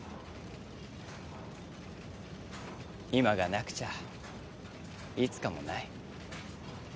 今がなくちゃあいつかもない。